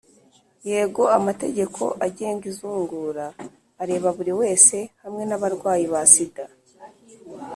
yego. amategeko agenga izungura areba buri wese, hamwe n’abarwayi ba sida.